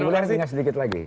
teguhnya tinggal sedikit lagi